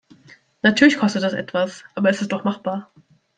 Natürlich kostet das etwas, aber es ist doch machbar.